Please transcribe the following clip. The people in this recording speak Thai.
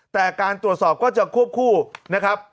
แต่การตรวจสอบก็จะควบคู่นะครับ